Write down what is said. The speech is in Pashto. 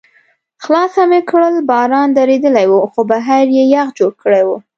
خلاصه مې کړل، باران درېدلی و، خو بهر یې یخ جوړ کړی و.